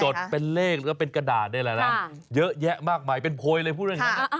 จดเป็นเลขหรือเป็นกระดาษได้เลยนะเยอะแยะมากมายเป็นโพยเลยพูดได้ไง